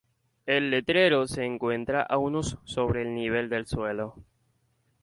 El letrero se encuentra a unos sobre el nivel del suelo.